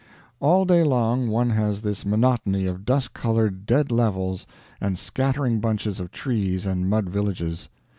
All day long one has this monotony of dust colored dead levels and scattering bunches of trees and mud villages.